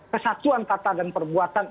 kesatuan kata dan perbuatan